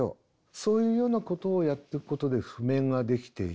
そういうようなことをやっていくことで譜面ができていく。